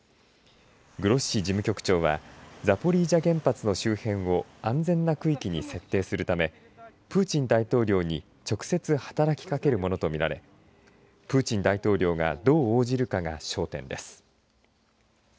グロッシ事務局長はサポリージャ原発の周辺を安全な区域に設定するためプーチン大統領に直接働きかけるものと見られプーチン大統領がどう応じるかが焦点です。